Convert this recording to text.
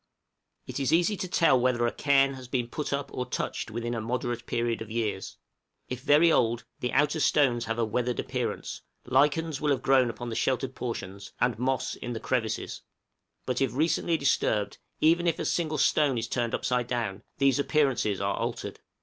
{APPEARANCE OF CAIRNS.} It is easy to tell whether a cairn has been put up or touched within a moderate period of years; if very old, the outer stones have a weathered appearance, lichens will have grown upon the sheltered portions and moss in the crevices; but if recently disturbed, even if a single stone is turned upside down, these appearances are altered.